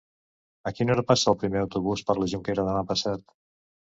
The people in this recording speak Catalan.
A quina hora passa el primer autobús per la Jonquera demà passat?